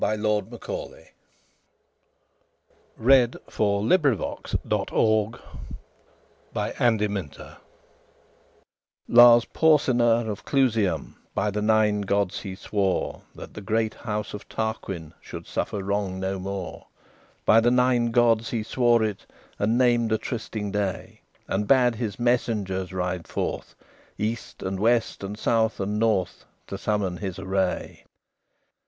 Horatius A Lay Made About the Year Of The City CCCLX I Lars Porsena of Closium By the Nine Gods he swore That the great house of Tarquin Should suffer wrong no more. By the Nine Gods he swore it, And named a trysting day, And bade his messengers ride forth, East and west and south and north, To summon his array.